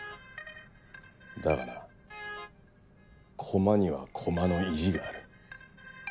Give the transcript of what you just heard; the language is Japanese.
だがなコマにはコマの意地がある。